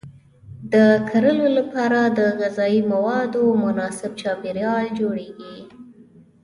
د کرلو لپاره د غذایي موادو مناسب چاپیریال جوړیږي.